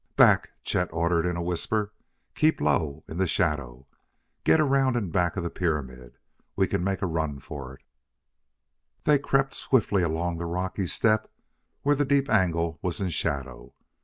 "Back!" Chet ordered in a whisper. "Keep low in the shadow! Get around in back of the pyramid. We can make a run for it!" They crept swiftly along the rocky step where the deep angle was in shadow.